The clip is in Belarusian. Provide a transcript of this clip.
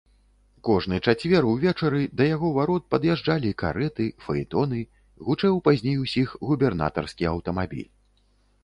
Кожны чацвер увечары да яго варот пад'язджалі карэты, фаэтоны, гучэў пазней усіх губернатарскі аўтамабіль.